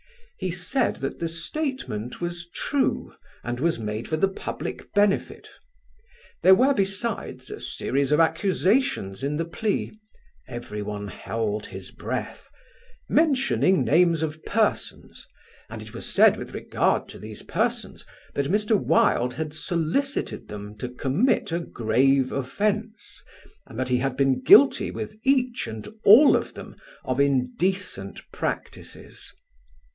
He said that the statement was true and was made for the public benefit. There were besides a series of accusations in the plea (everyone held his breath), mentioning names of persons, and it was said with regard to these persons that Mr. Wilde had solicited them to commit a grave offence and that he had been guilty with each and all of them of indecent practices...."